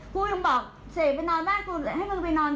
กูยังบอกเสกไปนอนบ้านกูให้มึงไปนอน